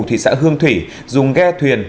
thị xã hương thủy dùng ghe thuyền